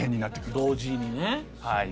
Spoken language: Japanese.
同時にね。